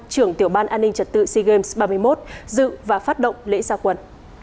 trưởng tiểu ban an ninh trật tự sea games ba mươi một dự và phát động lễ gia quân